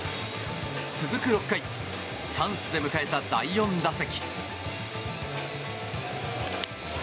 続く６回チャンスで迎えた第４打席。